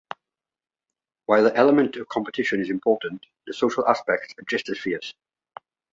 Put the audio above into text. While the element of competition is important, the social aspects are just as fierce.